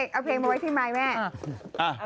เอาเพลงไว้ที่ไม้แหม่หรอ